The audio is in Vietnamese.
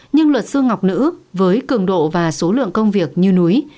nhưng luật sư ngọc nữ với cường độ và số lượng công việc như núi